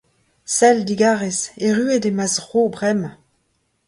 Sell, digarez, erruet eo ma zro bremañ.